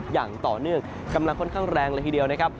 อย่างต่อเนื่องกำลังค่อนข้างแรงเลยทีเดียวนะครับ